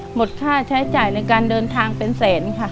หมดค่าใช้จ่ายในการเดินทางเป็นแสนค่ะ